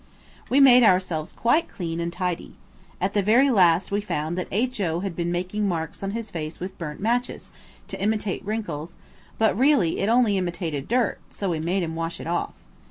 We made ourselves quite clean and tidy. At the very last we found that H.O. had been making marks on his face with burnt matches, to imitate wrinkles, but really it only imitated dirt, so we made him wash it off.